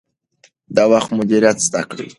د وخت مدیریت زده کړئ.